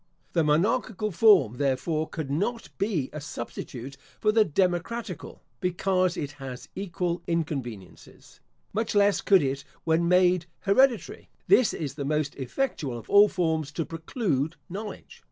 The monarchical form, therefore, could not be a substitute for the democratical, because it has equal inconveniences. Much less could it when made hereditary. This is the most effectual of all forms to preclude knowledge.